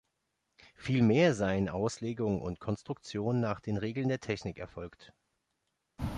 Vielmehr seien Auslegung und Konstruktion nach den Regeln der Technik erfolgt.